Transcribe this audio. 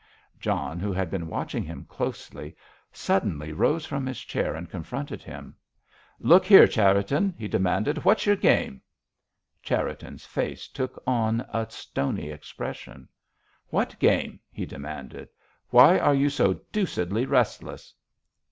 John, who had been watching him closely, suddenly rose from his chair and confronted him. "Look here, Cherriton," he demanded, "what's your game?" Cherriton's face took on a stony expression "What game?" he demanded. "Why are you so deucedly restless?"